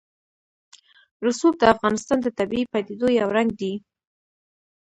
رسوب د افغانستان د طبیعي پدیدو یو رنګ دی.